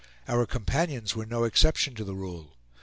Our companions were no exception to the rule.